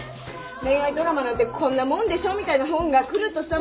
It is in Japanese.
恋愛ドラマなんてこんなもんでしょみたいな本が来るとさ